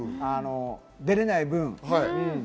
出られない分。